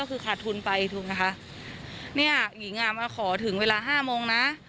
ขาดทุนไปนะคะนี่หญิงอะมาขอถึงเวลา๕โมงนะ